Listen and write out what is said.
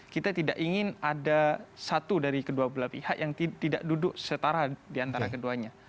kita tidak ingin ada satu dari kedua belah pihak yang tidak duduk setara diantara keduanya